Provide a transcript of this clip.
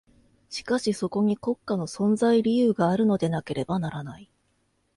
しかしそこに国家の存在理由があるのでなければならない。